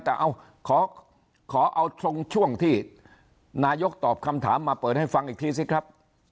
แต่เอาขอเอาตรงช่วงที่นายกตอบคำถามมาเปิดให้ฟังอีกทีสิครับ